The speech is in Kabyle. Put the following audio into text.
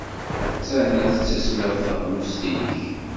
Attan la tettismiḍ teɣlust-nnek.